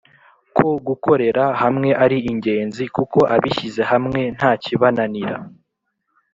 Ko gukorera hamwe ari ingenzi kuko abishyize hamwe nta kibananira